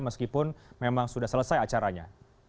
meskipun memang sudah selesai acaranya